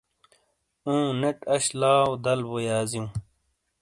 اُوں، نیٹ اش لاؤ دَل بو یازیوں۔